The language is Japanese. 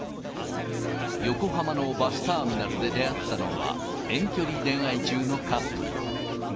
横浜のバスターミナルで出会ったのは、遠距離恋愛中のカップル。